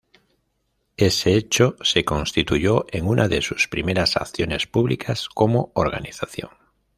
Ese hecho se constituyó en una de sus primeras acciones públicas como organización.